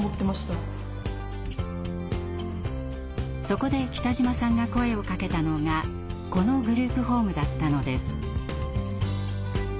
そこで来島さんが声をかけたのがこのグループホームだったのです。